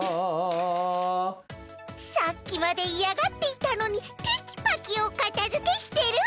さっきまでいやがっていたのにテキパキおかたづけしてる！